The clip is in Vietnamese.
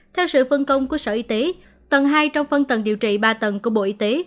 theo sự phân công của sở y tế tầng hai trong phân tầng điều trị ba tầng của bộ y tế